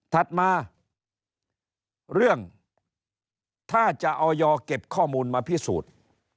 ถัดมาเรื่องถ้าจะออยเก็บข้อมูลมาพิสูจน์